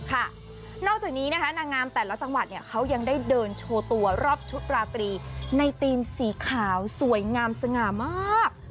นอกจากนี้นะคะนางงามแต่ละจังหวัดเขายังได้เดินโชว์ตัวรอบชุดราตรีในธีมสีขาวสวยงามสง่ามาก